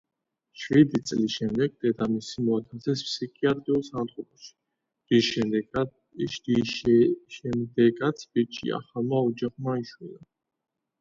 შვიდი წლის შემდეგ, დედამისი მოათავსეს ფსიქიატრიულ საავადმყოფოში, რის შემდეგაც ბიჭი ახალმა ოჯახმა იშვილა.